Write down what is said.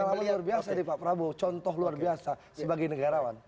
pengalaman luar biasa dari pak prabowo contoh luar biasa sebagai negarawan